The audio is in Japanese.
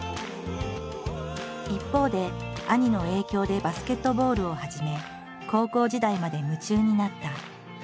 一方で兄の影響でバスケットボールを始め高校時代まで夢中になった。